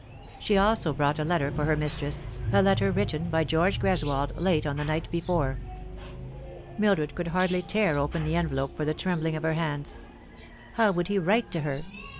She also brought a letter for her mistress, a letter written by George Greswold late on the night before. Mildred could hardly tear open the envelope for the trem bling of her hands. How would he write to her ?